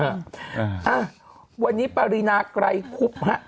อ่ะวันนี้ปรินาไกรคุบฮะ